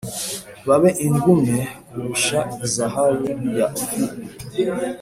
babe ingume kurusha zahabu y’i Ofiri.